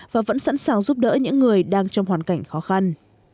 và vẫn sẵn sàng giúp đỡ những người đang trong hoàn cảnh khó khăn